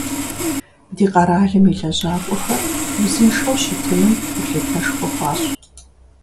Ди къэралым и лэжьакӀуэхэр узыншэу щытыным гулъытэшхуэ хуащӀ.